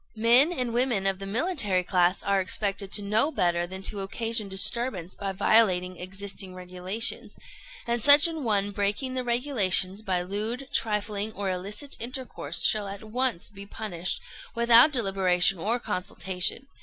"Men and women of the military class are expected to know better than to occasion disturbance by violating existing regulations; and such an one breaking the regulations by lewd, trifling, or illicit intercourse shall at once be punished, without deliberation or consultation.